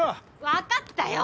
わかったよ！